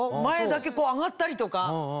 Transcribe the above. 前だけ上がったりとか。